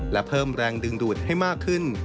และเพิ่มแรงดึงดูดให้มากขึ้น